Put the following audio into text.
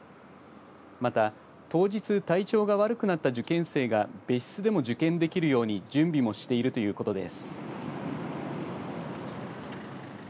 また当日体調が悪くなった受験生が別室でも受験できるように準備をしているということです。